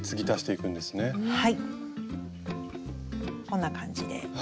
こんな感じで。